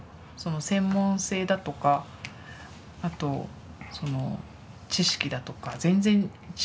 専門性だとかあとその知識だとか全然違うし。